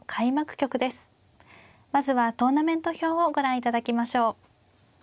まずはトーナメント表をご覧いただきましょう。